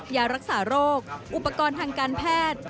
ยารักษาโรคอุปกรณ์ทางการแพทย์